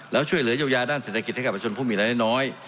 แล้วช่วยเหลือเยียวยาด้านเศรษฐกิจให้กับประชนผู้มีรายได้น้อย